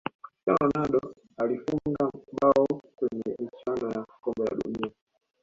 cristiano ronaldo alifunga bao kwenye michuano ya kombe la dunia